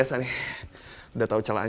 sudah tahu celah